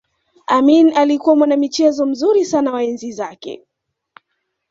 Amin alikuwa mwanamichezo mzuri sana wa enzi zake